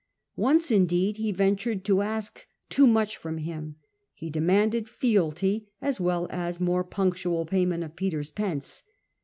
Once, indeed, he ventured to ask too much from him : he demanded fealty as well as ' more punctual payment of Peter's pence.'